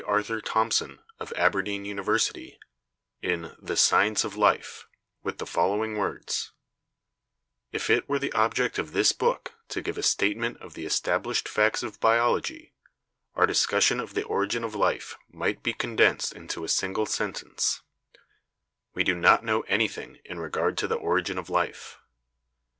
Arthur Thomson, of Aberdeen University, in 'The Science of Life' with the following words: "If it were the object of this book to give a statement of the established facts of biology, our discussion of the origin of life might be con densed into a single sentence : We do not know anything in regard to the origin of life.